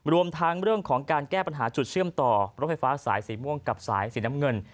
รวมทั้งเรื่องของการแก้ปัญหาจุดเชื่อมต่อรถไฟฟ้าสายสีม่วงกับสายสีน้ำเงิน